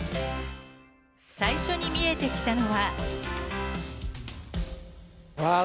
最初に見えてきたのは。